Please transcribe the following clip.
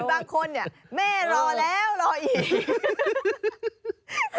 คนบางคนอะแม่รอแล้วรออีก